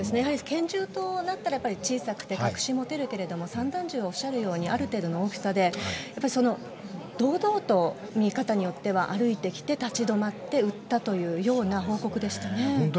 拳銃となったら小さくて隠し持てるけれども散弾銃は、おっしゃるとおりある程度の大きさで堂々と、見え方によっては歩いてきて立ち止まって撃ったというような報告でしたね。